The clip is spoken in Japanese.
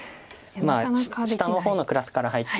まあ下の方のクラスから入って。